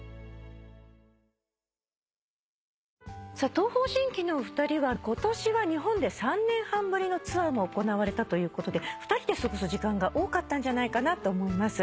東方神起のお二人は今年は日本で３年半ぶりのツアーも行われたということで２人で過ごす時間が多かったんじゃないかなと思います。